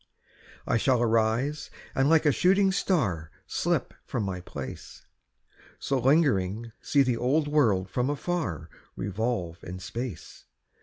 I shall arise, and like a shooting star Slip from my place; So lingering see the old world from afar Revolve in space.